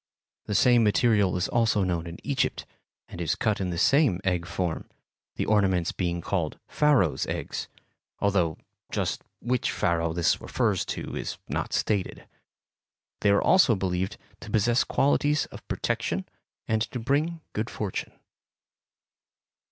The same material is also known in Egypt, and is cut in the same egg form, the ornaments being called "Pharaoh's eggs," although just which Pharaoh this refers to is not stated. They are also believed to possess qualities of protection and to bring good fortune.